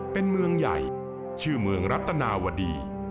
เป็นเมืองใหญ่ชื่อเมืองรัตนาวดี